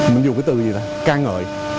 mình dùng cái từ gì ta ca ngợi